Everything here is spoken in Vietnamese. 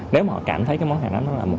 nếu mà họ cảm thấy cái món hàng đó